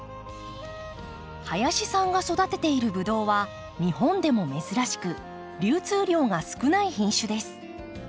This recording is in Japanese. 林さんが育てているブドウは日本でも珍しく流通量が少ない品種です。